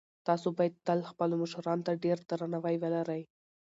تاسو باید تل خپلو مشرانو ته ډېر درناوی ولرئ.